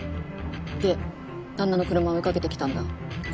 で旦那の車追いかけてきたんだ。